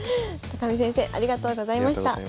見先生ありがとうございました。